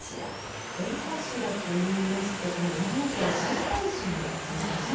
御柱といいますと長野県諏訪大社のものですか？